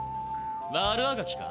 悪あがきか？